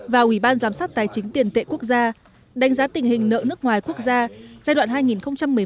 và ủy ban giám sát tài chính tiền tệ quốc gia đánh giá tình hình nợ nước ngoài quốc gia giai đoạn hai nghìn một mươi sáu hai nghìn hai mươi